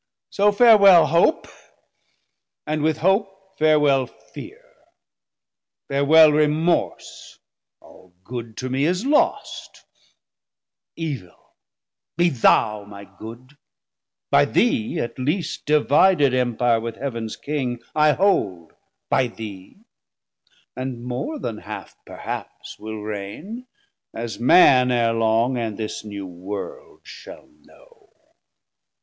So farwel Hope, and with Hope farwel Fear, Farwel Remorse: all Good to me is lost; Evil be thou my Good; by thee at least 110 Divided Empire with Heav'ns King I hold By thee, and more then half perhaps will reigne; As Man ere long, and this new World shall know.